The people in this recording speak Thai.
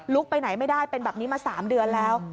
ไปไหนไม่ได้เป็นแบบนี้มา๓เดือนแล้ว